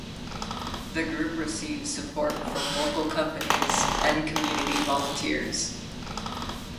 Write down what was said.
The group receives support from local companies and community volunteers.